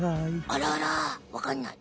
あらあらわかんない。